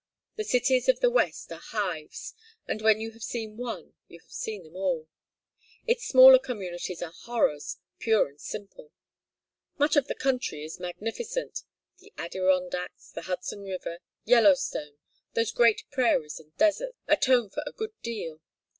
The cities of the West are hives, and when you have seen one you have seen all. Its smaller communities are horrors, pure and simple. Much of the country is magnificent. The Adirondacks, the Hudson River, Yellowstone, those great prairies and deserts, atone for a good deal.